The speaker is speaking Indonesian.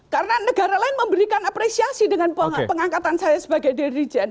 karena negara lain memberikan apresiasi dengan pengangkatan saya sebagai dirijen